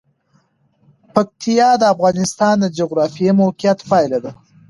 پکتیا د افغانستان د جغرافیایي موقیعت پایله ده.